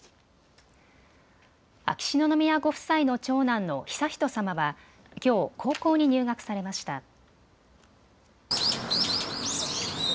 秋篠宮ご夫妻の長男の悠仁さまはきょう、高校に入学されました。